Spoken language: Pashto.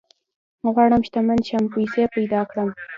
غواړم شتمن شم ، پيسي پيدا کړم